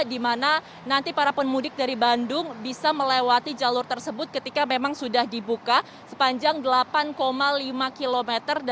di mana nanti para pemudik dari bandung bisa melewati jalur tersebut ketika memang sudah dibuka sepanjang delapan lima km